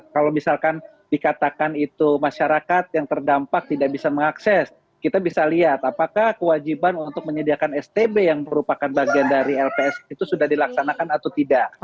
kalau misalkan dikatakan itu masyarakat yang terdampak tidak bisa mengakses kita bisa lihat apakah kewajiban untuk menyediakan stb yang merupakan bagian dari lpsk itu sudah dilaksanakan atau tidak